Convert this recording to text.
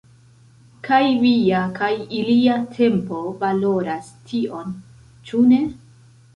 Kaj via kaj ilia tempo valoras tion, ĉu ne?